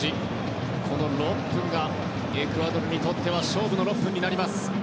この６分がエクアドルにとっては勝負の６分になります。